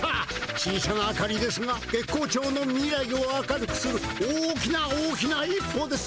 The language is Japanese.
小さな明かりですが月光町の未来を明るくする大きな大きな一歩です。